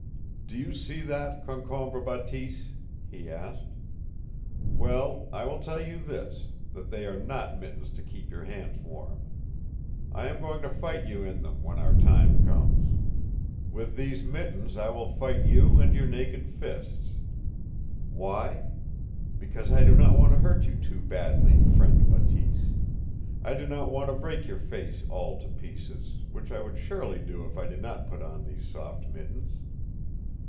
"Do you see that, Concombre Bateese?" he asked. "Well, I will tell you this, that they are not mittens to keep your hands warm. I am going to fight you in them when our time comes. With these mittens I will fight you and your naked fists. Why? Because I do not want to hurt you too badly, friend Bateese! I do not want to break your face all to pieces, which I would surely do if I did not put on these soft mittens.